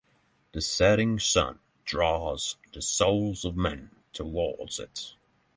The setting sun draws the souls of men towards it.